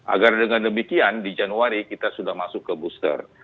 agar dengan demikian di januari kita sudah masuk ke booster